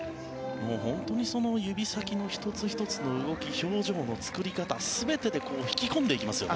本当に指先の１つ１つの動き表情の作り方全てで引き込んでいきますよね。